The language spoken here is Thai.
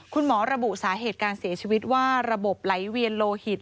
คุณหมอระบุสาเหตุการเสียชีวิตว่าระบบไหลเวียนโลหิต